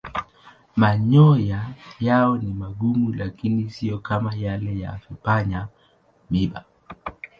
Manyoya yao ni magumu lakini siyo kama yale ya vipanya-miiba.